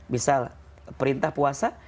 misal perintah puasa